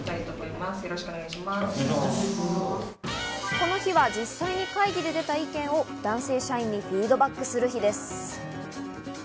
この日は実際に会議で出た意見を男性社員にフィードバックする日です。